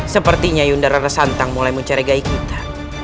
sepertinya yunda rara santang mulai mencerigai kita